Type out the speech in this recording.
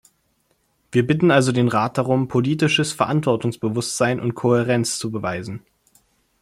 Wir bitten also den Rat darum, politisches Verantwortungsbewusstsein und Kohärenz zu beweisen.